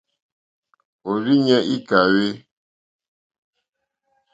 Òrzìɲɛ́ î kàhwé.